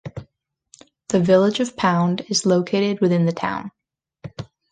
The Village of Pound is located within the town.